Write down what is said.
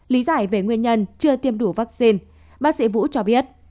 lý giải về nguyên nhân chưa tiêm đủ vaccine bác sĩ vũ cho biết